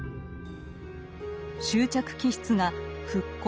執着気質が復興